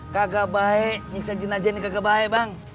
kagak baik nyiksa jenajah ini kagak baik bang